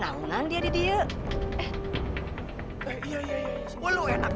eh bakar keluar dari opo